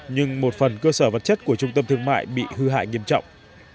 nhưng một phần cơ sở vật chất của trung tâm thương mại bị hư hại nghiêm trọng